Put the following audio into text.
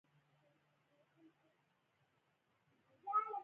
ګلداد د چلم شوقي نه و نه یې څکاوه.